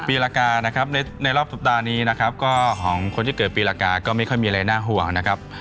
ปีละกานะครับในรอบสัปดาห์นี้นะครับก็ของคนที่เกิดปีละกาก็ไม่ค่อยมีอะไรน่าห่วงนะครับ